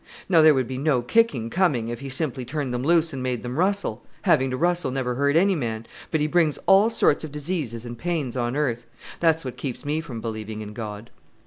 Now there would be no kick coming if He simply turned them loose and made them rustle having to rustle never hurt any man but He brings all sorts of diseases and pains on earth. That's what keeps me from believing in God.